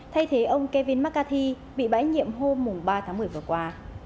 thay thế ông kevin mccarthy bị bãi nhiệm hôm ba tháng một mươi vừa qua